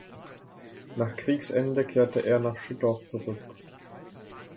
Nach Kriegsende kehrte er nach Schüttorf zurück.